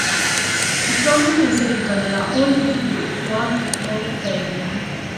Il suo nome è inserito nella Hollywood walk of fame.